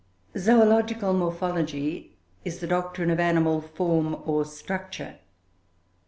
Zoological morphology is the doctrine of animal form or structure.